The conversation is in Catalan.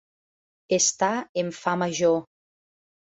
Està en fa major.